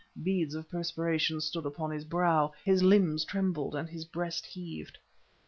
Beads of perspiration stood upon his brow, his limbs trembled, and his breast heaved.